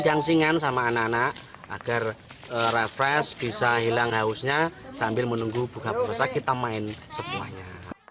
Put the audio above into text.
yang singan sama anak anak agar refresh bisa hilang hausnya sambil menunggu buka puasa kita main semuanya